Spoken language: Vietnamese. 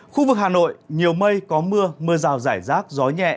khu vực hà nội nhiều mây có mưa mưa rào rải rác gió nhẹ